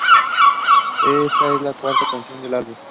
Esta es la cuarta canción del álbum.